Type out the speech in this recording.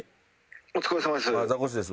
「お疲れさまです」